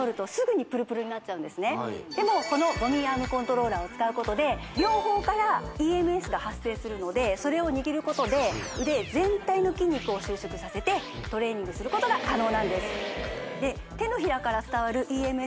なのででもこのＶＯＮＭＩＥアームコントローラーを使うことで両方からＥＭＳが発生するのでそれを握ることで腕全体の筋肉を収縮させてトレーニングすることが可能なんです